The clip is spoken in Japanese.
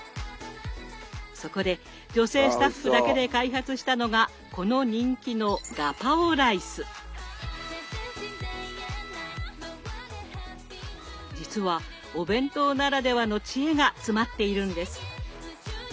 そこで女性スタッフだけで開発したのがこの人気の実はお弁当ならではの知恵が詰まっているんです。